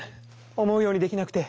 思うようにできなくて。